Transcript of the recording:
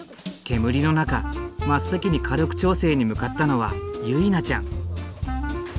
煙の中真っ先に火力調整に向かったのは結菜ちゃん。